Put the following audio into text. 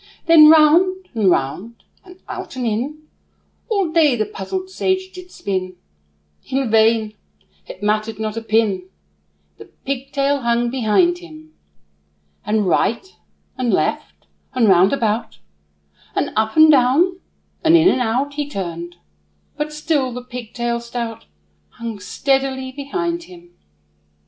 Then round, and round, and out and in, All day the puzzled sage did spin; In vain it mattered not a pin, The pigtail hung behind him. And right, and left, and round about, And up, and down, and in, and out, He turned; but still the pigtail stout Hung steadily behind him.